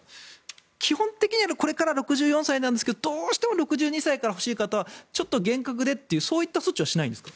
基本的にはこれから６４歳ですがどうしても６２歳から欲しい方はちょっと減額でというそういった措置はしないんですか？